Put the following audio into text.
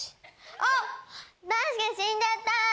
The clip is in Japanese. あっ男子が死んじゃった。